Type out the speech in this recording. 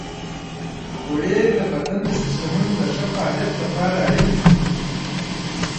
غوړې د بدن د سیستمونو د ښه فعالیت لپاره اړینې دي.